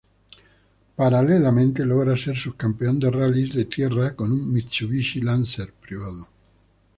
Paralelamente, logra ser subcampeón de Rallyes de Tierra con un Mitsubishi Lancer privado.